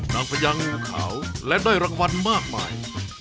นางพยางภูเขาและได้รางวัลมากมาย